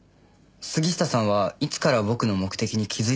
杉下さんはいつから僕の目的に気づいてたんですか？